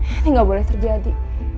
ini gak boleh terjadi